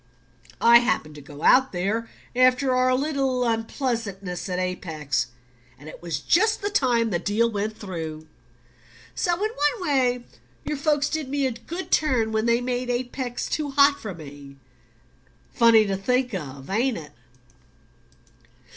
I happened to go out there after our little unpleasantness at Apex, and it was just the time the deal went through. So in one way your folks did me a good turn when they made Apex too hot for me: funny to think of, ain't it?"